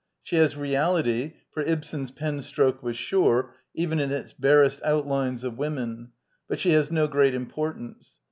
She has reality, for Tbsen^s pen stroke was sure, even in its. barest outlines of women, but she has no great importance.